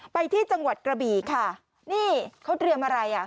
ไปที่จังหวัดกระบี่ค่ะนี่เขาเตรียมอะไรอ่ะ